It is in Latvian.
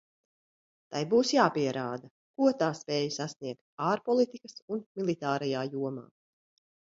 Tai būs jāpierāda, ko tā spēj sasniegt ārpolitikas un militārajā jomā.